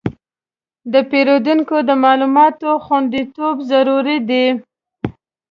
د پیرودونکو د معلوماتو خوندیتوب ضروري دی.